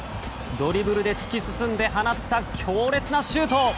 ドリブルで突き進んで放った強烈なシュート！